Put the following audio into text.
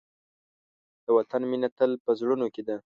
د وطن مینه تل په زړونو کې ده.